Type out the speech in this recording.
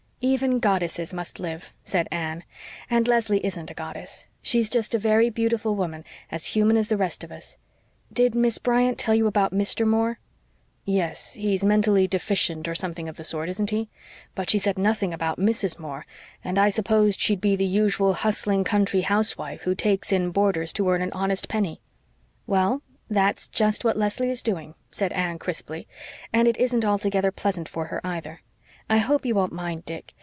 "Even goddesses must live," said Anne. "And Leslie isn't a goddess. She's just a very beautiful woman, as human as the rest of us. Did Miss Bryant tell you about Mr. Moore?" "Yes, he's mentally deficient, or something of the sort, isn't he? But she said nothing about Mrs. Moore, and I supposed she'd be the usual hustling country housewife who takes in boarders to earn an honest penny." "Well, that's just what Leslie is doing," said Anne crisply. "And it isn't altogether pleasant for her, either. I hope you won't mind Dick.